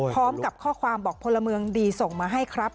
พร้อมกับข้อความบอกพลเมืองดีส่งมาให้ครับ